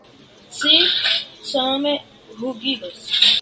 Ŝi same ruĝiĝas.